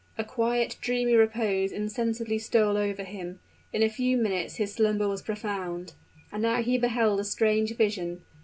A quiet, dreamy repose insensibly stole over him: in a few minutes his slumber was profound. And now he beheld a strange vision.